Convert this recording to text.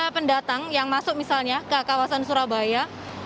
pendatang yang masuk misalnya ke kawasan surabaya